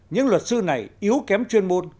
những luật sư này yếu kém chuyên môn